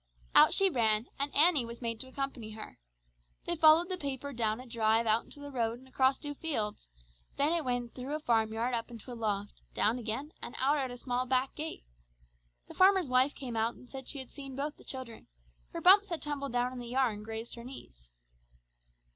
Out she ran, and Annie was made to accompany her. They followed the paper down the drive out into the road and across two fields, then it went through a farm yard up into a loft, down again, and out at a small back gate. The farmer's wife came out and said she had seen both the children, for Bumps had tumbled down in the yard and grazed her knees.